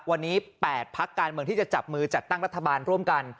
วันนี้๘พักการเมืองที่จะจับมือจัดตั้งรัฐบาลร่วมกัน